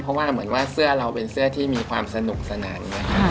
เพราะว่าเสื้อเราเป็นเสื้อที่มีความสนุกสนาน